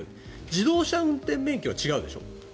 自動車運転免許は違うでしょ。